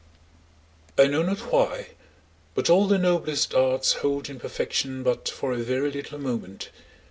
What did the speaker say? I know not why, but all the noblest arts hold in perfection but for a very little moment.